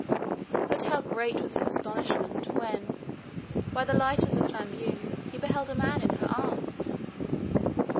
But how great was his astonishment, when, by the light of the flambeau, he beheld a man in her arms!